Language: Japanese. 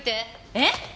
えっ！？